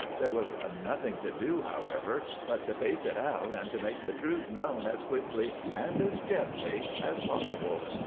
There was nothing to do, however, but to face it out and to make the truth known as quickly and as gently as possible.